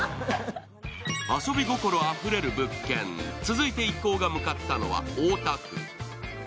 遊び心あふれる物件、続いて一行が向かったのは大田区。